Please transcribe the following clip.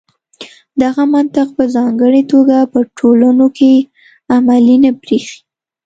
دغه منطق په ځانګړې توګه په ټولنو کې عملي نه برېښي.